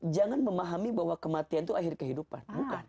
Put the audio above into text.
jangan memahami bahwa kematian itu akhir kehidupan